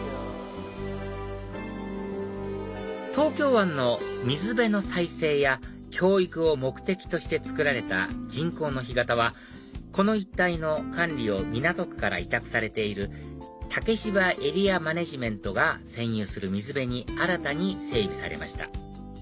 東京湾の水辺の再生や教育を目的として造られた人工の干潟はこの一帯の管理を港区から委託されている竹芝エリアマネジメントが占用する水辺に新たに整備されました